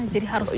jadi harus lalu